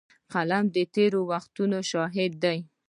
قلم د تېر وختونو شاهد دی